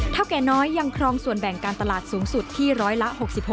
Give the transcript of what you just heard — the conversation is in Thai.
แก่น้อยยังครองส่วนแบ่งการตลาดสูงสุดที่ร้อยละ๖๖